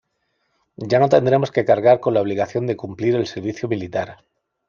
Ya no tendremos que cargar con la obligación de cumplir el servicio militar.